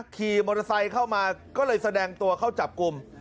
ขี่มอเตอร์ไซค์เข้ามาก็เลยแสดงตัวเข้าจับกลุ่ม